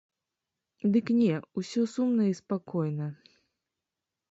Дык не, усё сумна і спакойна.